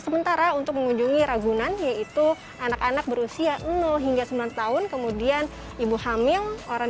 sementara untuk mengunjungi ragunan yaitu anak anak berusia hingga sembilan tahun kemudian ibu hamil orang